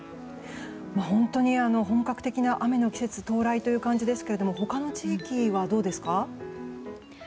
本当に本格的な雨の季節が到来という感じですが他の地域はどうですか？